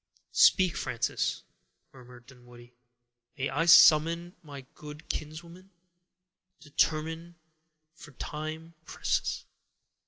"Speak, Frances," murmured Dunwoodie; "may I summon my good kinswoman? Determine, for time presses."